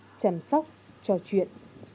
chỉ chăm sóc trò chuyện